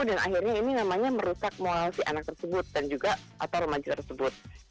dan akhirnya ini namanya merusak moral si anak tersebut dan juga atau remaja tersebut